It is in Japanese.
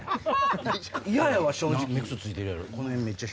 嫌やわ正直。